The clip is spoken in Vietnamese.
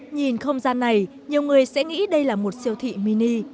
nhìn không gian này nhiều người sẽ nghĩ đây là một siêu thị mini